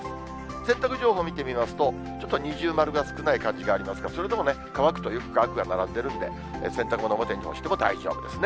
洗濯情報見てみますと、ちょっと二重丸が少ない感じがありますが、それでも乾くとよく乾くが並んでるんで、洗濯物を表に干しても大丈夫ですね。